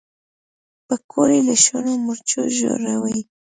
پکورې له شنو مرچو ژړوي